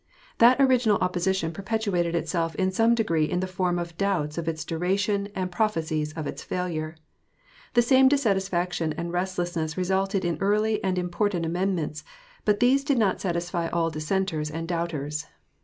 That original opposition perpetuated itself in some degree in the form of doubts of its duration and prophecies of its failure. The same dissatisfaction and restlessness resulted in early and important amendments, but these did not satisfy all dissenters and doubters.